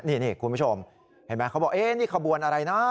นี่คุณผู้ชมเห็นไหมเขาบอกนี่ขบวนอะไรนะ